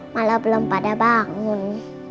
malah belum pada bangun